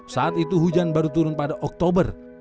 saat itu hujan baru turun pada oktober